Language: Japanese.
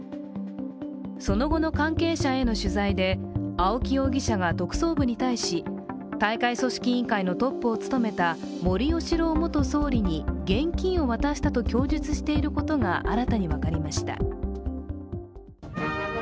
その後の関係者への取材で青木容疑者が特捜部に対し大会組織委員会のトップを務めた森喜朗元総理に現金を渡したと供述していることが新たに分かりました。